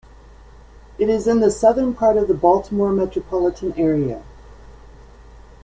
It is in the southern part of the Baltimore metropolitan area.